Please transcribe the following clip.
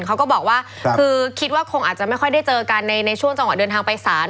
เขาก็บอกว่าคือคิดว่าคงอาจจะไม่ค่อยได้เจอกันในช่วงจังหวะเดินทางไปศาล